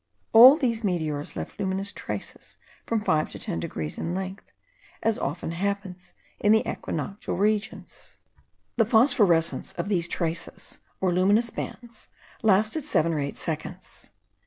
All these meteors left luminous traces from five to ten degrees in length, as often happens in the equinoctial regions. The phosphorescence of these traces, or luminous bands, lasted seven or eight seconds.